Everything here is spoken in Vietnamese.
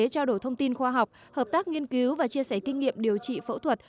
trao đổi thông tin khoa học hợp tác nghiên cứu và chia sẻ kinh nghiệm điều trị phẫu thuật